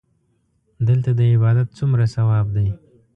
دلته د عبادت څومره ثواب دی.